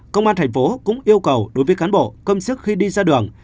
công an thành phố cũng yêu cầu đối với cán bộ công chức khi đi ra đường